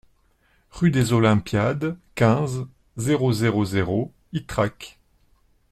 Rue des Olympiades, quinze, zéro zéro zéro Ytrac